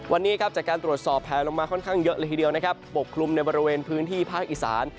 วันนี้ครับจากการตรวจสอบแผลลงมาค่อนข้างเยอะเลยทีเดียวนะครับปกคลุมในบริเวณพื้นที่ภาคอีสาน